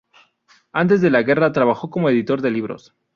Antes de la guerra trabajó como editor de libros.